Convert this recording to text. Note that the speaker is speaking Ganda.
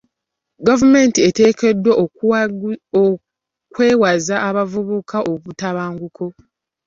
Gavumenti eteekeddwa okwewaza abavubuka obutabanguko.